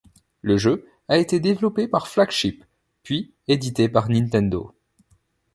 Le jeu a été développé par Flagship puis édité par Nintendo.